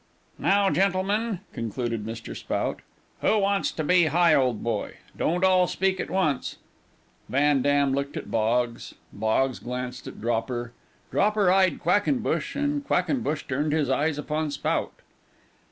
"Now, gentlemen," concluded Mr. Spout, "who wants to be a Higholdboy? Don't all speak at once." Van Dam looked at Boggs; Boggs glanced at Dropper; Dropper eyed Quackenbush, and Quackenbush turned his eyes upon Spout.